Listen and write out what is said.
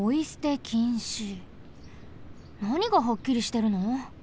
なにがはっきりしてるの？